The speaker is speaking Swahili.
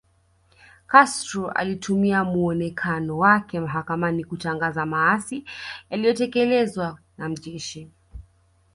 Castro alitumia muonekano wake mahakamani kutangaza maasi yaliyotekelezwa na jeshi